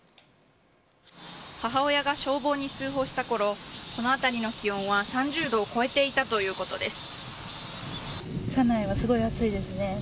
母親が消防に通報したころこの辺りの気温は３０度を超えていたということです。